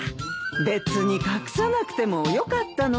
別に隠さなくてもよかったのに。